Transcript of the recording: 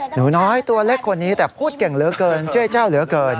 หนูน้อยตัวเล็กคนนี้แต่พูดเก่งเหลือเกินเจ้ยเจ้าเหลือเกิน